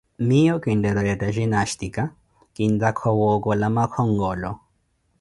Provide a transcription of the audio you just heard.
miiyo quinttela oretta jinastica, kintakha wookola makhonkolo.